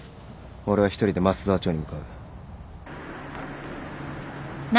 俺は１人で益沢町に向かう。